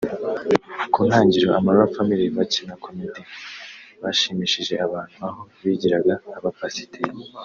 Ku ntangiro Amarula Family bakina Comedy bashimishije abantu aho bigiraga abapasiteri